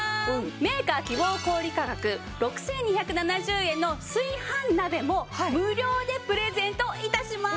メーカー希望小売価格６２７０円の炊飯鍋も無料でプレゼント致します！